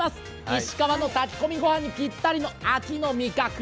石川の炊き込みご飯にぴったりの秋の味覚。